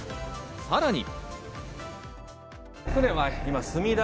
さらに。